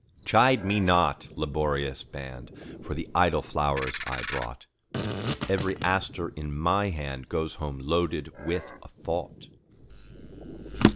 Chide me not, laborious band, For the idle flowers I brought; Every aster in my handGoes home loaded with a thought.